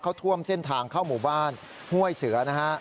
เข้าท่วมเส้นทางเข้าหมู่บ้านห้วยเสือนะฮะ